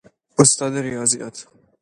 استاد ریاضیات